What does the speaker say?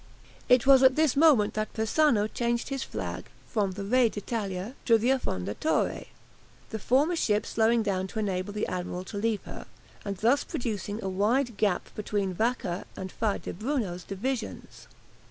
It was at this moment that Persano changed his flag from the "Re d' Italia" to the "Affondatore," the former ship slowing down to enable the admiral to leave her, and thus producing a wide gap between Vacca's and Faa di Bruno's divisions.